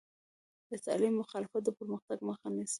د تعلیم مخالفت د پرمختګ مخه نیسي.